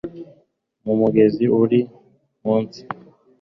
Mu mugezi uri munsi